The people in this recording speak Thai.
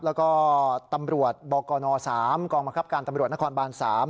แล้วก็ตำรวจบกน๓กองบังคับการตำรวจนครบาน๓